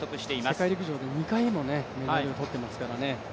世界陸上で２回もメダルを取っていますからね。